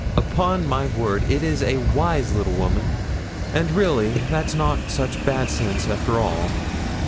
'Upon my word, it is a wise little woman; and really, that's not such bad sense after all.'